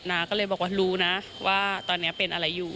นาก็เลยบอกว่ารู้นะว่าตอนนี้เป็นอะไรอยู่